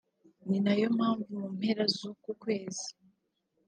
ni nayo mpamvu mu mpera z’uku kwezi